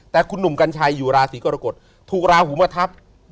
แต่คุณหนุ่มกัญชัยอยู่ราศีกรกฎถูกราหูมาทับ